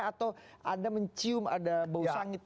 atau anda mencium ada bau sangit